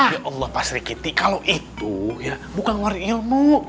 ya allah pak sri kitty kalau itu ya bukan ngomong ilmu